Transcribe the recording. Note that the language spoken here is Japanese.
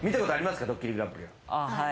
はい。